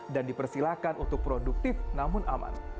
dan dipersilakan untuk produktif namun aman